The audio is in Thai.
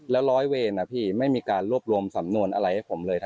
แล้วร้อยเวรพี่ไม่มีการรวบรวมสำนวนอะไรให้ผมเลย